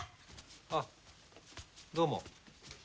あどうも。